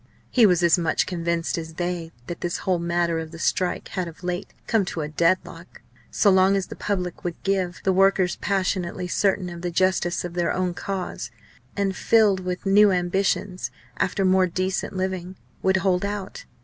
He was as much convinced as they that this whole matter of the strike had of late come to a deadlock. So long as the public would give, the workers, passionately certain of the justice of their own cause, and filled with new ambitions after more decent living, would hold out.